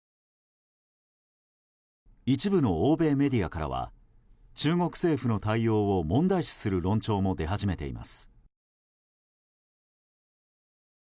一部の欧米メディアからは中国政府の対応を問題視する論調も出始めています。